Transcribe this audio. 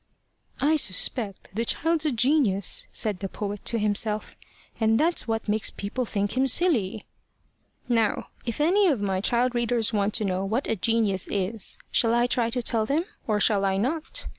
"I suspect the child's a genius," said the poet to himself, "and that's what makes people think him silly." Now if any of my child readers want to know what a genius is shall I try to tell them, or shall I not?